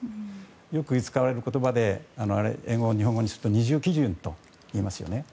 よく使われる言葉で英語を日本語にすると二重基準といいますよね。